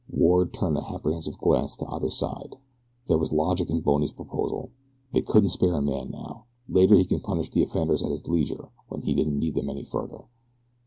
Ward turned an apprehensive glance to either side. There was logic in Bony's proposal. They couldn't spare a man now. Later he could punish the offenders at his leisure when he didn't need them any further.